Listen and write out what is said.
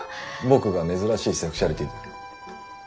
僕が珍しいセクシュアリティーだからですか？